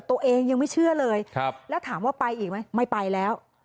ตัวเองยังไม่เชื่อเลยแล้วถามว่าไปอีกไหมไม่ไปแล้ว